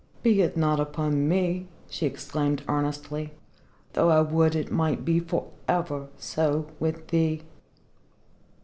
"Be it not upon me!" she exclaimed earnestly. "Though I would it might be for ever so with thee."